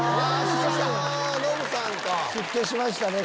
出家しましたね